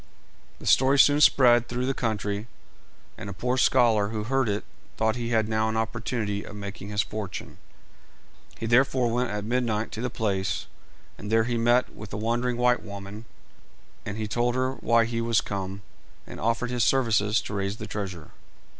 The story soon spread through the country, and a poor scholar who heard it thought he had now an opportunity of making his fortune. He therefore went at midnight to the place, and there he met with the wandering white woman, and he told her why he was come, and offered his services to raise the treasure.